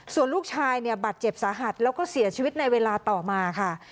ส่วนลูกชายเนี่ยบาดเจ็บสาหัสแล้วก็เสียชีวิตในเวลาต่อมาค่ะ